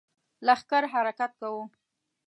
لښکر حرکت کوو.